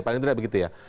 paling tidak begitu ya